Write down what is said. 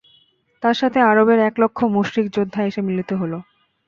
তার সাথে আরবের এক লক্ষ মুশরিক যোদ্ধা এসে মিলিত হল।